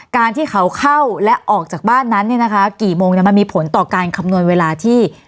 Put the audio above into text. การที่เขาเข้าและออกจากบ้านนั้นเนี่ยนะคะกี่โมงมันมีผลต่อการคำนวณเวลาที่